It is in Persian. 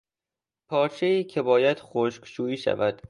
پارچهای که باید خشک شویی شود.